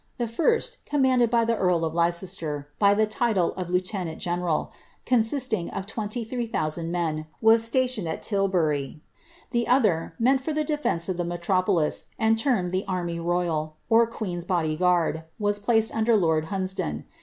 The first, com Bed by the earl of Leicester, by the title of lieutenant general, con Bf of 23,000 men, was stationed at Tilbury ; the other, meant for lefeoee of the metropolis, and termed the Army Rojral, or Qpeen's f Guard, was placed under lord Hunsdon.